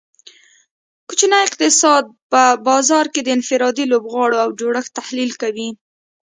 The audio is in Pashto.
کوچنی اقتصاد په بازار کې د انفرادي لوبغاړو او جوړښت تحلیل کوي